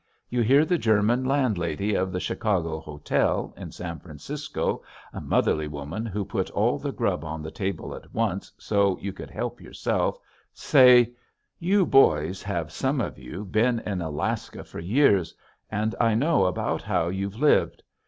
You hear the German landlady of the "Chicago Hotel" in San Francisco, a motherly woman who put all the grub on the table at once so you could help yourself, say, "You boys have some of you been in Alaska for years and I know about how you've lived.